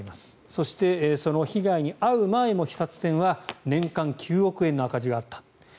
そして、被害に遭う前も肥薩線は年間９億円の赤字があった。